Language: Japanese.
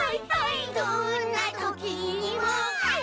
「どんなときにもハイ！